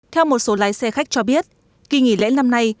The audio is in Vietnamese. theo một số lái xe khách cho biết kỳ nghỉ lễ năm nay